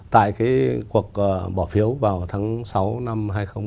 tại cái cuộc bỏ phiếu vào tháng sáu năm hai nghìn một mươi chín